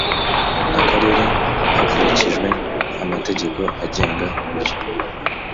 Akarere hakurikijwe amategeko agenga uburyo